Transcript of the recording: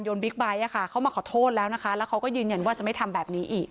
บิ๊กไบท์เขามาขอโทษแล้วนะคะแล้วเขาก็ยืนยันว่าจะไม่ทำแบบนี้อีก